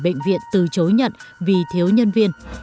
bệnh viện từ chối nhận vì thiếu nhân viên